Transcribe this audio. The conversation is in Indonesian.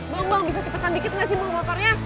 bang bang bisa cepetan dikit gak sih motornya